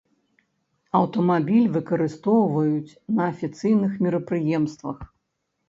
Аўтамабіль выкарыстоўваюць на афіцыйных мерапрыемствах.